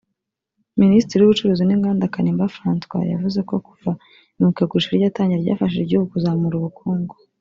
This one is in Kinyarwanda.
Minisitiri w’Ubucuruzi n’Inganda Kanimba Francois yavuze ko kuva imurikagurisha ryatangira ryafashije igihugu kuzamura ubukungu